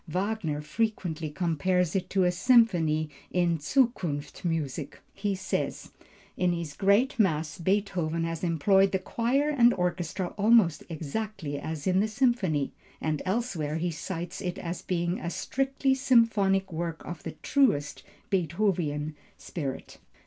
Wagner frequently compares it to a symphony. In Zukunftsmusik, he says: "In his Great Mass Beethoven has employed the choir and orchestra almost exactly as in the symphony;" and elsewhere he cites it as being a "strictly symphonic work of the truest Beethovenian spirit."